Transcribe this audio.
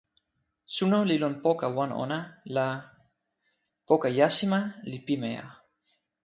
suno li lon poka wan ona la, poka jasima li pimeja.